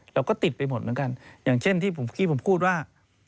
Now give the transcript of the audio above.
เราก็ติดไปหมดเหมือนกันอย่างเช่นที่เมื่อกี้ผมพูดว่า